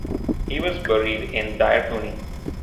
He was buried in Dair-Kuni.